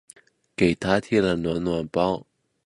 给她贴了暖暖包